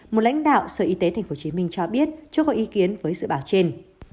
một lãnh đạo sở y tế tp hcm cho biết chưa có ý kiến với dự báo trên